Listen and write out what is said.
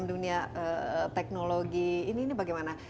dunia teknologi ini bagaimana